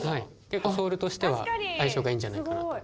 結構ソールとしては相性がいいんじゃないかなと。